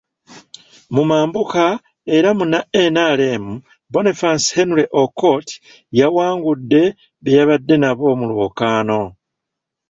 Mu mambuka era Munna NRM, Boniface Henry Okot yawangudde be yabadde nabo mu lwokaano.